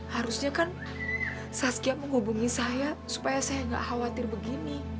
harusnya kan saskia menghubungi saya supaya saya gak khawatir begini